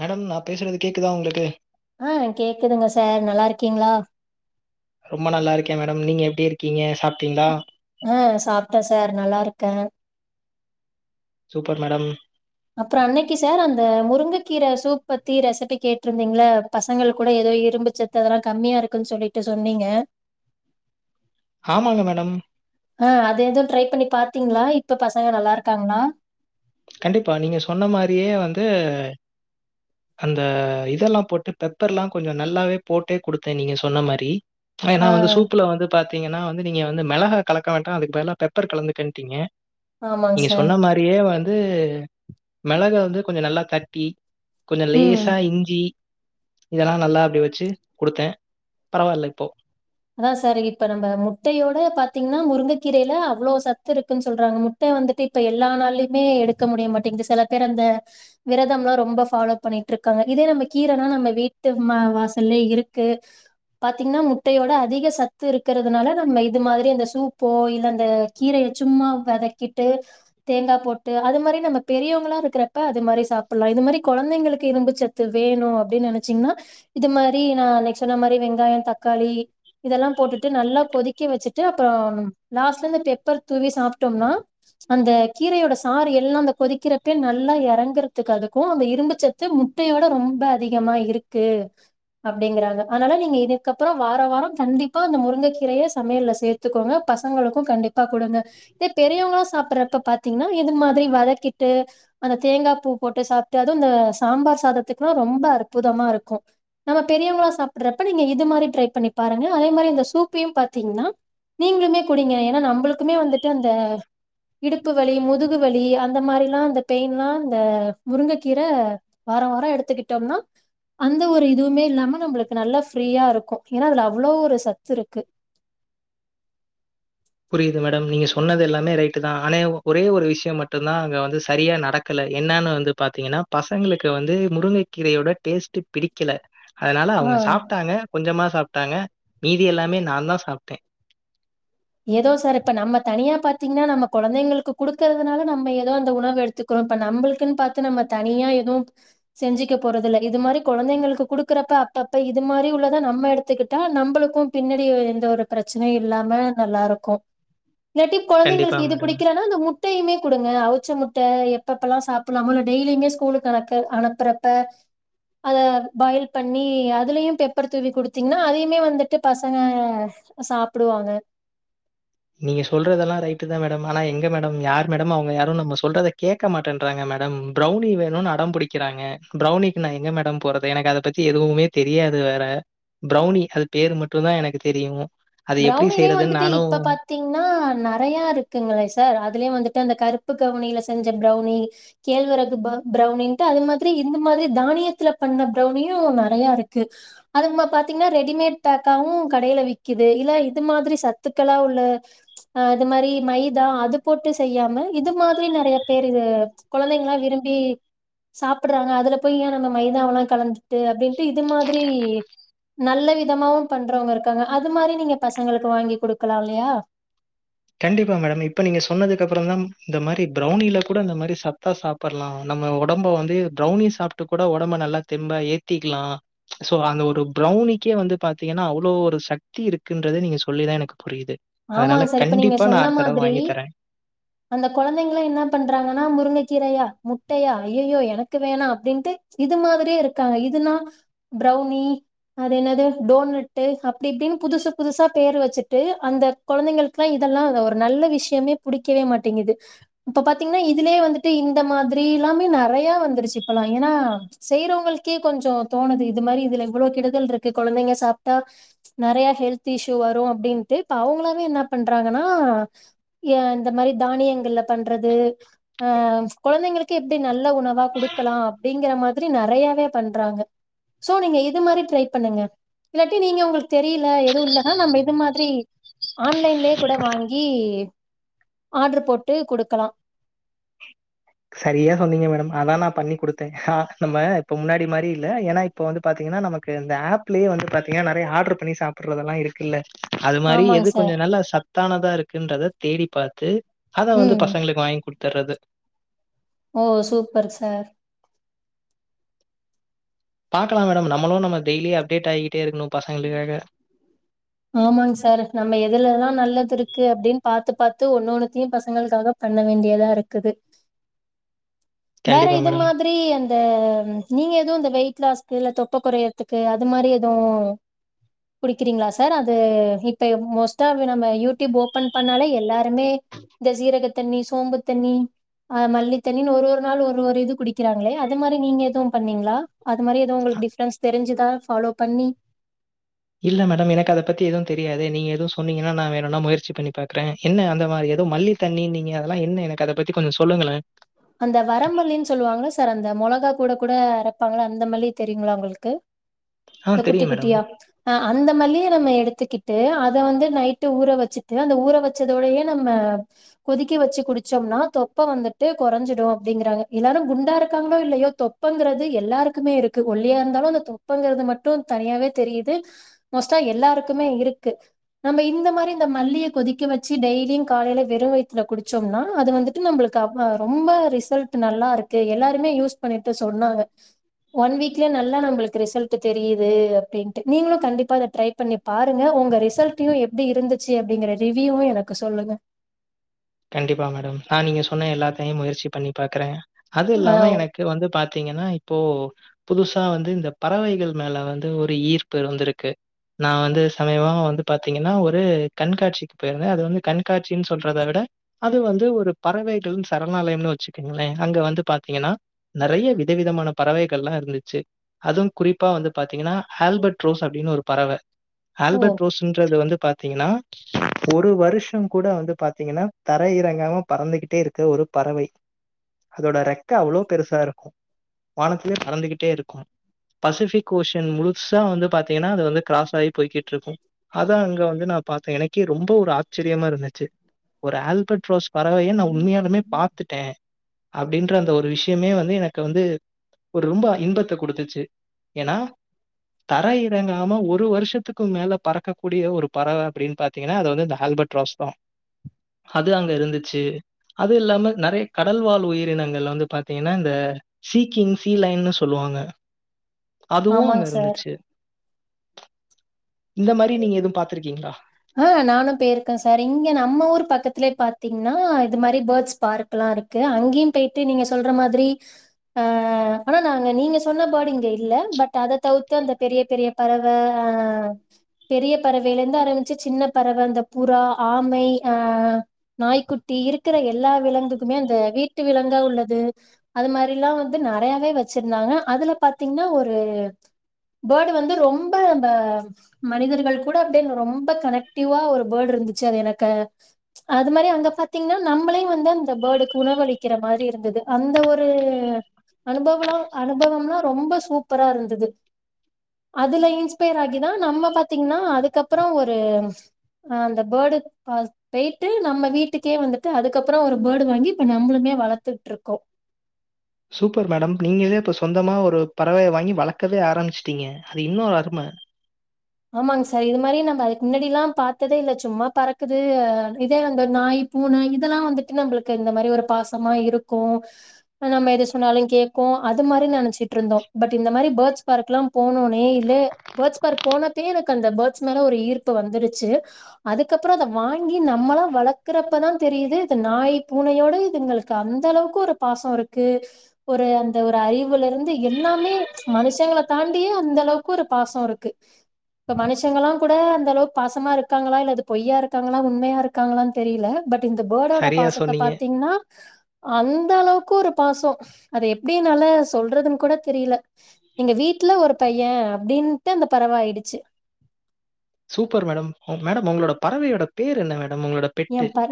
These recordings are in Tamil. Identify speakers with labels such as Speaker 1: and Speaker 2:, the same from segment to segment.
Speaker 1: மேடம் நா பேசுறது கேக்குதா உங்களுக்கு
Speaker 2: ஆ கேக்குதுங்க சார் நல்லா இருக்கீங்களா
Speaker 1: ரொம்ப நல்லா இருக்கே மேடம் நீங்க எப்படி இருக்கீங்க சாப்
Speaker 2: ஆ சாப்ட்டே சார் நல்லா இருக்கே
Speaker 1: சூப்பர் மேடம்
Speaker 2: அப்புறோ அன்னைக்கு சார் அந்த முருங்கைக்கீரை சூப் பத்தி ரெசிபி கேட்டுருந்தீங்கள பசங்கள் கூட ஏதோ இரும்புச்சத்து அதெல்லா கம்மியா இருக்குன்னு சொல்லிட்டு சொன்னீங்க
Speaker 1: ஆமாங்க மேடம்
Speaker 2: ஆ அது எதுவ் ட்ரை பண்ணி பாத்தீங்ளா? இப்ப பசங்க நல்லாருக்காங்ளா?
Speaker 1: கண்டிப்பா நீங்க சொன்ன மாரியே வந்து அந்த இதெல்லா போட்டு பெப்பர்லா கொஞ்ச நல்லாவே போட்டே குடுத்தே நீங்க சொன்ன மாரி ஏனா
Speaker 2: ஆ
Speaker 1: வந்து சூப்புல வந்து பாத் தீங்கனா வந்து நீங்க வந்து மெளகா கலக்க வேண்டா அதுக்கு பதிலா பெப்பர் கலந்துக்கன்டீங்க
Speaker 2: ஆமாங்க
Speaker 1: நீங்க
Speaker 2: சார்
Speaker 1: சொன்ன மாரியே வந் து மெளக வந்து கொஞ்ச நல்லா தட்டி கொஞ்ச
Speaker 2: ம்
Speaker 1: லேசா இஞ்சி இதெல்லா நல்லா அப்டி வச்சு குடுத்தே பரவால்ல இப்போ
Speaker 2: அதா சார் இப்ப கீரைல அவ்ளோ சத்து இருக்குன் சொல்றாங்க முட்ட வந்துட்டு இப்ப எல்லா நாள்லயுமே எடுக்க முடிய மாட்டெங்குது செல பேர் அந்த விரதம்லா ரொம்ப ஃபாலோ பண்ணிட்ருக்காங்க இதே நம்ம கீரனா நம்ம வீட்டு ம வாசல்லே இருக்கு பாத்தீங்னா மு ட்டையோட அதிக சத்து இருக்குறதுனால நம்ம இது மாதிரி அந்த சூப்போ இல்ல அந்த கீரைய சும்மா வதக்கிட்டு தேங்கா போட்டு அது மாரி நம்ம பெரியவ்ங்களா இருக்குறப்ப அது மாரி சாப்புல்லா இது மாரி கொழந்தைங்களுக்கு இரும்பு சத்து வேணு அப்டின் நெனைச்சீங்னா இது மாரி நா அன்னைக் சொன்ன மாரி வெங்காய தக் காளி இதெல்லா போட்டுட்டு நல்லா கொதிக்க வச்சுட்டு அப்புறம் லாஸ்ட்ல இந்த பெப்பர் தூவி சாப்டோம்னா அந்த கீரையோட சாறு எல்லா அந்த கொதிக்கிறப்பயே நல்லா எறங்றதுக்கு அதுக்கு அந்த இரும்புச்சத்து முட்டையோட ரொம்ப அதிகமா இருக்கு அப்டிங்கிறாங்க அனால நீங்க இது க்கப்றொ வார வாரொ கண்டிப்பா அந்த முருங்கக்கீரைய சமையல்ல சேத்துக்கோங்க பசங்களுக்கு கண்டிப்பா குடுங்க இதே பெரியவ்ங்களா சாப்புறப்ப பாத்தீங்னா இது மாதிரி வதக்கிட்டு அந்த தேங்காப் பூ போட்டு சாப்ட்டு அதுவு இந்த சாம்பார் சாதத்துக்லா ரொம்ப அற்புதமா இருக்கு நம்ம பெரியவ்ங்களா சாப்புட்றப்ப நீங்க இ ந்த மாரி ட்ரை பண்ணி பாருங்க அதே மாரி இந்த சூப்பையும் பாத்தீங்னா நீங்ளுமே குடிங்க ஏனா நம்பளுக்குமே வந்துட்டு அந்த இடுப்பு வலி முதுகு வலி அந்த மாரில்லா அந்த பெயின்லா இந்த முருங்க கீர வார வார எடுத்துக்கிட்டோம்னா அந்த ஒரு இதுவ்மே இல்லாம நம்பளுக் கு நல்ல ஃப்ரீயா இருக்கு ஏனா அதுல அவ்ளோ ஒரு சத்துருக்கு
Speaker 1: புரியிது மேடம் நீங்க சொன்னது எல்லாமே ரைட்டு தா ஆனா ஒரே ஒரு விஷ்யொ மட்டுந்தா அங்க வந்து சரியா நடக்கல என்னான்னு வந்து பாத்தீங்கனா பசங்களுக்கு வந்து முருங்க கீரயோட டேஸ்ட்டு பிடிக்கல அதுனால
Speaker 2: ஆ
Speaker 1: அவுங்க சாப்டாங்க கொஞ்சமா சாப் டாங்க மீதி எல்லாமே நாந்தா சாப்டே
Speaker 2: எதோ சார் இப்ப நம்ம தனியா பாத்தீங்னா நம்ம கொழந்தைங்களுக்கு குடுக்கறதுனால நம்ம எதோ அந்த உணவு எடுத்துக்கிறோ இப்ப நம்பளுக்குன் பாத்து நம்ம தனியா எதுவு செஞ்சுக்க போறதுல்ல இது மாரி கொழந்தைங்களுக்கு குடுக்குறப்ப அப்பப்ப இது மாரி உள்ளதா நம்ம எடுத்துக்கிட்டா நம்பளுக்கு பின்னாடி எந்த ஒரு பிரச்சனையு இல்லாம நல்லாருக்கு இல்லாட்டி
Speaker 1: கண்டிப்பா
Speaker 2: கொழந்தைங்கள்க்கு இது
Speaker 1: மேடம்.
Speaker 2: பிடிக்கலனா அந்த முட்டையுமே குடுங்க அவு ச்ச முட்ட எப்பப்பல்லா சாப்புல்லாமொ இல்ல டெய்லியுமே ஸ்கூலுக்கு அனுக்க அனுப்புறப்ப அத பாயில் பண்ணி அதுலயு பெப்பர் தூவி குடுத்தீங்னா அதையுமே வந்துட்டு பசங்க சாப்புடுவாங்க
Speaker 1: நீங்க சொல்றதெல்லா ரைட்டு தா மேடம் ஆனா எங்க மேடம் யார் மேடம் அவுங்க யாரு நம்ம சொல்றத கேக்க மாட்டென்றாங்க மேடம் பிரௌனி வேணுன் அடம் புடிக்கிறாங்க பிரௌனிக்கு நா எங்க மேடம் போறது எனக்கு அத பத்தி எதுவுமே தெரியாது வேற பிரௌனி அது பேரு மட்டு தா எனக்கு தெரியு அது எப்டி செய்யறதுன் நானு
Speaker 2: தீங்னா நறைய இருக்குங்களே சார் அதுலயே வந்துட்டு அந்த கருப்பு கவுனியில செஞ்ச பிரௌனி கேழ்வரகு ப பிரௌனின்ட்டு அது மாதிரி இந்த மாரி தானியத்துல பண்ண பிரௌனியு நறையா இருக்கு அது ம பாத்தீங்னா ரெடிமேட் பேக்காவு கடைல விக் கிது இல்ல இது மாதிரி சத்துக்களா உள்ள அது மாரி மைதா அது போட்டு செய்யாம இது மாதிரி நெறைய பேர் இது கொழந்தைங்களா விரும்பி சாப்புட்றாங்க அதுல போய் ஏ நம்ம மைதாவெல்லா கலந்துட்டு அப்டின்ட்டு இது மாதிரி நல்ல விதமாவு பண்றவுங்க இருக்காங்க அது மாரி நீங்க பசங்களுக்கு வாங்கி குடுக்கலால்லயா
Speaker 1: கண்டிப்பா மேடம் இப்ப நீங்க சொன்னதுக்கு அப்புறந்தா இந்த மாரி பிரௌனில கூட இந்த மாரி சத்தா சாப்புல்லா நம்ம ஒடம்ப வந்து பிரௌனி சாப்ட்டு கூட ஒடம்ப நல்லா தெம்பா ஏத்திக்லா சோ அந்த ஒரு பிரௌனிக்கே வந்து பாத்தீங்கனா அவ்ளோ ஒரு சக்தி இருக்குன்றதே நீங்க சொல்லிதா எனக்கு புரியிது
Speaker 2: ஆமாங்க சார் இப் இப்ப நீங்க சொன்ன மாதிரி
Speaker 1: தரேன்.
Speaker 2: அந்த கொழந்தைங்கலா என்னா பண்றாங்கனா முருங்கக்கீரையா முட்டையா ஐயயோ எனக்கு வேணா அப்டின்ட்டு இது மாதிரியே இருக்காங்க இதுன்னா பிரௌனி அது என்னது டோனட்டு அப்டி இப்டின் புதுசு புதுசா பேரு வச்சுட்டு அந்த கொழந்தைங்களுக்லா இதல்லா ஒரு நல்ல விஷ்யமே புடிக்கவே மாட்டெங்குது இப்ப பாத்தீங்னா இதுலயே வந்துட்டு இந்த மாதிரில்லாமே நறைய வந்துருச்சு இப்பல்லா ஏனா செய்றவுங்களுக்கே கொஞ்சொ தோணுது இது மாரி இதுல இவ்வுளோ கெடுதல்ருக்கு கொழந்தைங்க சாப்டா நெறையா ஹெல்த் இஷ்யூ வரு அப்டின்ட்டு இப்ப அவுங்களா அ என்ன பண்றாங்கன்னா ய இந்த மாரி தானியங்கள்ல பண்றது ஆ கொழந்தைங்களுக்கு எப்படி நல்ல உணவா குடுக்கலா அப்படிங்கற மாதிரி நிறையாவே பண்றாங்க சோ நீங்க இது மாரி டரை பண்ணுங்க இல்லாட்டி நீங்க உங்களுக்கு தெரியில எதுவு இல்லன்னா நம்ம இது மாதிரி ஆன்லைன்லயே கூட வாங்கி ஆர்டரு போட்டு கொடுக்கலா
Speaker 1: சரியா சொன்னீங்க மேடம் அதா நா பண்ணி கொடுத்தே அ நம்ம இப்ப முன்னாடி மாரி இல்ல ஏன்னா இப்ப வந்து பாத்தீங்கன்னா நமக்கு இந்த ஆப்லயே வந்து பாத்தீங்கன்னா நெறைய ஆர்டர் பண்ணி சாப்பிறதெல்லா இருக்கு இல்ல அது மாரி
Speaker 2: ஆமாங்க
Speaker 1: எது
Speaker 2: சார்
Speaker 1: கொஞ்சோ நல்லா சத்தானதா இருக்குன்றத தேடி பாத்து அதா வந்து
Speaker 2: ம்
Speaker 1: பசங்களுக்கு வாங்கி கொடுத்துர்றது
Speaker 2: ஓ சூப்பர் சார்
Speaker 1: பாக்கால மேடம் நம்மளும் நம் டெய்லி அப்டேட் ஆகிட்
Speaker 2: ஆமாங்க சார் நம்ம எதுலதா நல்லது இருக்கு அப்படின் பாத்து பத்து ஒன்னொன்னுத்தையு பசங்களுக்காக பண்ண வேண்டியதா இருக்குது வேற
Speaker 1: கண்டிப்பா
Speaker 2: இது
Speaker 1: மேடம்.
Speaker 2: மாதிரி அந்த நீங்க எதுவு இந்த வெயி ட்லாஸ்க்கு இல்ல தொப்ப குறையதுக்கு அது மாரி எதுவு குடிக்கிறீங்களா சார் அது இப்ப மோஸ்டா நம்ம யூடியூப் ஓபன் பண்ணாலே எல்லாரு மே இந்த சீரக தண்ணி சோம்பு தண்ணி அ மல்லி தண்ணின்னு ஒரு ஒரு நாள் ஒரு ஒரு இது குடிக்கிறாங்களே அது மாரி நீங்க எதுவும் பண்ணீங்களா அது மாதிரி எதவு உங்களுக்கு டிஃப்ரன்ஸ் தெரிஞ்சுதான் ஃபாலோ பண்ணி
Speaker 1: இல்ல மேடம் எனக்கு அத பத்தி எதுவும் தெரியாது நீங்க எதுவு சொன்னீங்கன்னா நா வேணும்னா முயற்சி பண்ணி பாக்குறே என்ன அந்த மாரி எதவும் மல்லி தண்ண நீங்க அதெல்லா என்ன எனக்கு அத பத்தி கொஞ்சோ சொல்லுங்களா
Speaker 2: அந்த வரம்மல்லின்னு சொல்லுவாங்களா சார் அந்த மொளகா கூட கூட அறைப்பாங்களா அந்த மல்லி தெரியுங்களா உங்களுக்கு
Speaker 1: ஆ
Speaker 2: இந்த குட்டி
Speaker 1: தெரியும் மேடம்.
Speaker 2: குட்டியா ஆ அந்த மல்லியை நம்ம எடுத்துக்கிட்டு அத வந்து நைட்டு ஊற வச்சுட்டு அந்த ஊற வச்சதோடயே நம்ம கொதிக்கி வச்சு குடிச்சோம்னா தொப்ப வந்துட்டு குறைஞ்சிடு அப்படிங்காங்க எல்லாரு குண்டா இருக்காங்களோ இல்லையோ தொப்பங்கிறது எல்லாருக்குமே இருக்கு ஒல்லியா இருந்தாலும் அ தொப்பங்கிறது மட்டும் தனியாவே தெரியுது மோஸ்ட எல்லாருக்குமே இருக்கு நம்ம இந்த மாரி இந்த மல்லிய கொதிக்க வச்சு டெய்லியும் காலையில வெறும் வயத்துல குடிச்சோம்னா அது வந்துட்டு நம்மளுக்கு ஆ ரொம்ப ரிசல்ட் நல்லா இருக்கு எல்லாருமே யூஸ் பண்ணிட்டு சொன்னாங்க ஒன் வீக்லயே நல்லா நம்மளுக்கு ரிசல்ட் தெரியுது அப்படின்ட்டு நீங்களும் கண்டிப்பா அத ட்ரை பண்ணி பாருங்க உங்க ரிசல்டையும் எப்படி இருந்துச்சு அப்படிங்கற ரிவ்யூவு எனக்கு சொல்லுங்க
Speaker 1: கண்டிப்பா மேடம் நா நீங்க சொன்ன எல்லாத்தையு முயற்சி பண்ணி பாக்குறே அது
Speaker 2: ஆ
Speaker 1: இல்லாம எனக்கு வந்து பாத்தீங்கன்னா இப்போ புதுசா வந்து இந்த பறவைகள் மேல வந்து ஒரு ஈர்ப்பு வந்திருக்கு நா வந்து சமயபமா வந்து பாார்த்தீங்கன்னா ஒரு கண்காட்சிக்கு போயிருந்தே அது வந்து கண்காட்சின்னு சொல்றத விட அது வந்து ஒரு பறவைகள் சரணாலயனு வச்சுக்கங்களே அங்க வந்து பாத்தீங்கன்னா நெறைய விதவிதமான பறவைகள் எல்லா இருந்துச்சு அதுவு குறிப்பா வந்து பாத்தீங்கன்னா ஆல்பர்ட் ரோஸ் அப்படின்னு ஒரு பறவ
Speaker 2: ஓ
Speaker 1: ஆஹல்பர்ட் ரோஸ்ன்றது வந்து பாத் பாத்தீங்கன்னா ஒரு வருஷ கூட வந்து பாத்தீங்கன்னா தரை இறங்காம பறந்துகிட்டே இருக்க ஒரு பறவை அதோட ரெக்க அவ்வளோ பெருசா இருக்கு வானத்திலயே பறந்துகிட்டே இருக்கும் பசிபிக் ஓஷியன் முழு ச வந்து பா்த்தீங்கன்னா அது வந்து கிராஸ் ஆகி போயிட்டு இருக்கு அதா அங்க வந்து நா பா்த்தே எனக்கே ரொம்ப ஒரு அச் ஆச்சரியமா இருந்துச்சு ஒரு ஆல்பர்ட் ரோஸ் பறவையை நா உண்மையாலுமே பாத்துட்டே அப்படின்ற அந்த ஒரு விஷயமே வந்து எனக்கு வந்து ஒரு ரொம்ப இன்பத்த கொடுத்துச்சு ஏன்னா தர இறங்காம ஒரு வருஷத்துக்கு மேல பறக்கக்க கூடிய ஒரு பறவை அப்படின்னு பாாரத்தீங்கன்னா அது வந்து இந்த ஆஹல்பர்ட் ராஸ்தா அது அங்க இருந்துச்சு அது இல்லாம நெறைய கடல்வாழ் உயிரினங்கள் வந்து பாாரத்தீங்கன்னா இந்த சீக்கிங் சீலைன்னு சொல்லுவாங்க அதுவும்
Speaker 2: ஆமாங்
Speaker 1: அங்க
Speaker 2: சார்
Speaker 1: இருந்துச்சு இந்த மாதிரி நீங்க எதுவும் பா்த்திருக்கீங்களா
Speaker 2: ஆஹ் நானும் போயிருக்கேன் சார் இங்க நம்ம ஊர் பக்கத்திலயே பாத்தீங்கன்னா இது மாதிரி பேர்ட்ஸ் பார்க் எல்லாம் இருக்கு அங்கேயும் போயிட்டு நீங்க சொல்ற மாதிரி ஆஹ் ஆனா நாங்க நீங்க சொன்ன பேர்டு இங்க இல்ல பட் அத தவிர்த்து அந்த பெரிய பெரிய பறவை அஹ் பெரிய பறவைையில இருந்து ஆரம்பச்ச சின்ன பறவை அந்த புறா ஆமை அஹ் நாய்க்குட்டி இருக்கிற எல்லா விலங்குக்குமே அந்த வீட்டு விலங்குக உள்ளது அது மாதிரிலாம் வந்து நிறையாவே வச்சிருந்தாங்க அதுல பார்த்தீங்கன்னா ஒரு பேர்டு வந்து ரொம்ப நம மனிதர்கள் கூட அப்டிரொம்ப ரொம்ப கனெக்டிவா ஒரு பேர்டு இருந்துச்சு அது எனக்கு க அது மாதிரி அங்க பாத்த நம்மலே வந்து அந்த பேர்டு கு உணவளிக் கர மாதிரி இருந்தது அந்த ஒரு அனுபவம் அனுபவம்ல ரொம்ப சூப்பரா இருந்தது அதுல இன்ஸ்பயர் ஆகிதான் நம்ப பா்த்தீங்கன்னா அதுக்கப்புறம் ஒரு அஹ் அந்த பேர்டு போயிட்டு நம்ம வீட்டுக்கே வந்துட்டு அதுக்கப்புறம் ஒரு பேர்டு வாங்கி அதுக்கு அப்பறம் நம்மளுமே வளர்த்துட்டு இருக்கோம்
Speaker 1: சூப்பர் மேடம் நீங்களே இப்ப சொந்தமா ஒரு பறவைய வாங்கி வளர்க்கவே ஆரம்பிச்சுட்டீங்க அது இன்னொம் அருமை
Speaker 2: ஆமாங்க சார் இது மாதிரி நம்ம அதுக்கு முன்னாடி எல்லாம் பார்த்ததே இல்ல சும்மா பறக்குது அ இதே அந்த நாய் பூனை இதெல்லாம் வந்துட்டு நம்மளுக்கு இந்த மாதிரி ஒரு பாசமா இருக்கும் நம்ம எது சொன்னாலும் கேக்கும் அது மாதிரி நினைச்சிட்டு இருந்தோம் பட் இந்த மாதிரி பேர்ட்ஸ் பார்க் எல்லாம் போனோனே இல்ல பேர்ட்ஸ் பார்க் போன எனக்கு அந்த பேர்ட்ஸ் மேல ஒரு ஈர்ப்பு வந்துருச்சு அதுக்கப்புறம் அதை வாங்கி நம்மளாம் வளர்க்கறப்பதான் தெரியுது இது நாய் பூனையோட இதுங்களுக்கு அந்த அளவுக்கு ஒரு பாசம் இருக்கு ஒரு அந்த ஒரு அறிவுல இருந்து எல்லாமே மனுஷங்க தாண்டியே அந்த அளவுக்கு ஒரு பாசம் இருக்கு இப்ப மனுஷங்களாம் கூட அந்த அளவுக்கு பாசமா இருக்காங்களா இல்லது பொய்யா இருக்காங்களா உண்மையா இருக்காங்களான்னு தெரியல பட் இந்த பேர்டோட
Speaker 1: சரியா
Speaker 2: பாசத்தை
Speaker 1: சொன்னீங்க.
Speaker 2: பாத்தீங்கன்னா அந்த அளவுக்கு அதுக்கும் ஒரு பாசம் அது எப்படினால சொல்றதுன் கூட தெரியல எங்க வீட்டுல ஒரு பையன் அப்படின்ட்டு அந்த பறவாயிடுச்சு ச்சு
Speaker 1: சூப்பர் மேடம் மேடம் உங்களோட பறவையோட பேர் என்ன மேடம் உங்களோட பெட்.
Speaker 2: என் பற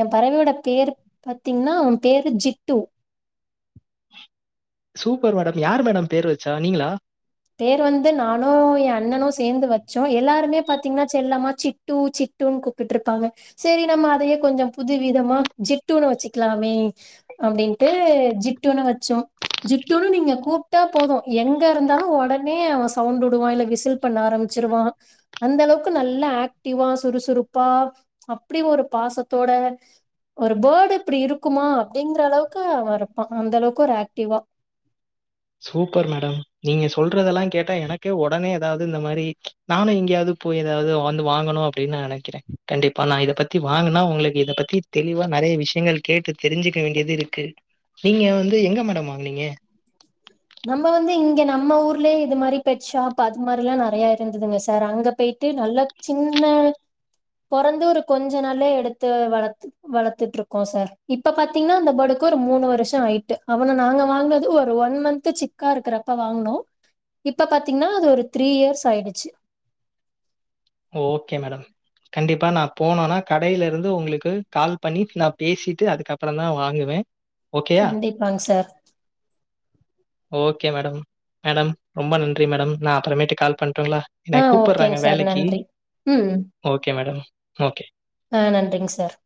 Speaker 2: என் பறவையோட பேர் பாத்தீங்கன்னா உ பேரு ஜிட்டு
Speaker 1: சூப்பர் மேடம் யார் மேடம் பேரு வச்சா நீங்களா
Speaker 2: பேர் வந்து நானும் என் அண்ணனும் சேர்ந்து வச்சோம் எல்லாருமே பாத்தீங்கன்னா செல்லமா சிட்டு சிட்டுன்னு கூப்பிட்டு இருப்பாங்க சரி நம்ம அதையே கொஞ்சம் புது விதமா ஜிட்டுன்னு வச்சுிக்கலாமே அப்படின்ட்டு ஜிட்டுனு வச்சோம் ஜிட்டுன்னு நீங்க கூப்பிட்டா போதும் எங்க இருந்தாலும் உடனே அவன் சவுண்ட் விடுவான் இல்ல விசில் பண்ண ஆரம்பிச்சிருவான் அந்த அளவுக்கு நல்ல ஆக்டிவா சுறுசுறுப்பா அப்படி ஒரு பாசத்தோட ஒரு பேர்டு இப்படி இருக்குமா அப்படிங்கிற அளவுக்கு அவன் இருப்பான் அந்த அளவுக்கு ஒரு ஆக்டிவா
Speaker 1: சூப்பர் மேடம் நீங்க சொல்றதெல்லாம் கேட்டா எனக்கே உடனே ஏதாவது இந்த மாதிரி நானும் எங்கேயாவது போய் ஏதாவது வந்து வாங்கணும் அப்படின்னு நான் நினைக்கிறேன் கண்டிப்பா நான் இதை பத்தி வாங்கினா உங்களுக்கு இத பத்தி தெளிவா நிறைய விஷயங்கள் கேட்டு தெரிஞ்சுக்க வேண்டியது இருக்கு நீங்க வந்து எங்க மேடம் வாங்கனீங்க
Speaker 2: நம்ம வந்து இங்க நம்ம ஊர்லயே இது மாதிரி பெட் ஷாப் அது மாதிரி எல்லாம் நிறைய இருந்ததுங்க சார் அங்க போயிட்டு நல்ல சின்ன பொறந்து ஒரு கொஞ்சம் நல்ல எடுத்து வள வளர்த்துட்டு இருக்கோம் சார் இப்ப பாத்தீங்கன்னா அந்த பேட்க்கு ஒரு மூணு வருஷம் ஆயிட்டு அவனை நாங்க வாங்கனது ஒரு ஒன் மந்த் சிக்கா இருக்கிறப்ப வாங்கனோம் இப்ப பாத்தீங்கன்னா அது ஒரு த்ரீ இயர்ஸ் ஆயிடுச்சு
Speaker 1: ஓகே மேடம் கண்டிப்பா நான் போனோனா கடையில இருந்து உங்களுக்கு கால் பண்ணி நான் பேசிட்டு அதுக்கப்புறம் தான் வாங்குவேன் ஓகேயா?
Speaker 2: கண்டிப்பாங்க சார்
Speaker 1: ஓகே மேடம் மேடம் ரொம்ப நன்றி மேடம் நான் அப்புறமேட்டு கால் பண்றேன் ங்களா என்
Speaker 2: ஆ
Speaker 1: கூப்பிடுறாங்க
Speaker 2: ஓகேங்க சார்
Speaker 1: வேலைக்கு
Speaker 2: நன்றி ம்
Speaker 1: ஓகே மேடம். ஓகே.
Speaker 2: ஆஹ நன்றிங்க சார்